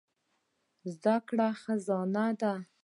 زده کړه خزانه ده.